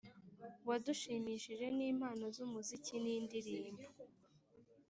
wadushimishije n'impano z'umuziki n'indirimbo